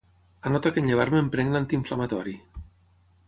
Anota que en llevar-me em prenc l'antiinflamatori.